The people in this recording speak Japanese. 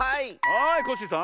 はいコッシーさん。